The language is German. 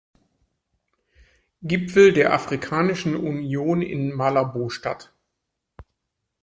Gipfel der Afrikanischen Union in Malabo statt.